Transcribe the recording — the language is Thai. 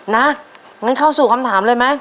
งั้นเข้าสู่คำถามเลยไหม